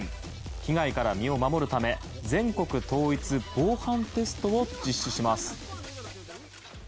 被害から身を守るため全国統一防犯テストを実施します。